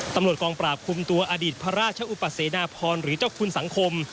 ตำรวจกองปราบคุมตัวอดีตพระราชอุปเสนาพรหรือเจ้าคุณสังคม